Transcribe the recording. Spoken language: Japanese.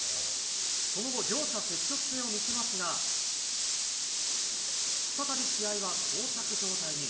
その後、両者積極性を見せますが、再び試合はこう着状態に。